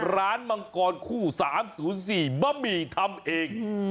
มังกรคู่๓๐๔บะหมี่ทำเอง